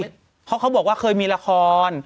เพราะเขาบอกว่าเคยมีละคร